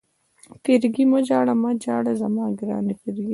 فرګي مه ژاړه، مه ژاړه زما ګرانې فرګي.